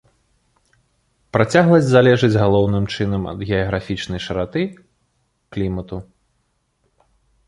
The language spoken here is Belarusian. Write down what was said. Працягласць залежыць галоўным чынам ад геаграфічнай шыраты, клімату.